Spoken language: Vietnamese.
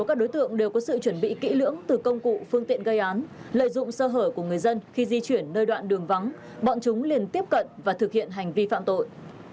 các đối tượng đều có sự chuẩn bị kỹ lưỡng từ công cụ phương tiện gây án lợi dụng sơ hở của người dân khi di chuyển nơi đoạn đường vắng bọn chúng liền tiếp cận và thực hiện hành vi phạm tội